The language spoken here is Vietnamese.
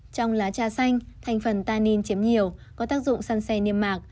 trong lá trà xanh thành phần tannin chiếm nhiều có tác dụng săn xe niêm mạc